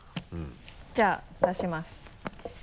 じゃあ出します。